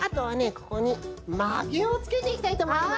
ここにマゲをつけていきたいとおもいます。